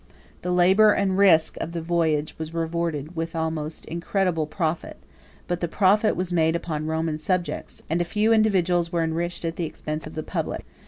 The labor and risk of the voyage was rewarded with almost incredible profit; but the profit was made upon Roman subjects, and a few individuals were enriched at the expense of the public.